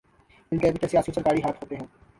انکے پیچھے سیاسی و سرکاری ہاتھ ہوتے ہیں